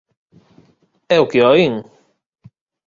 É o que oín.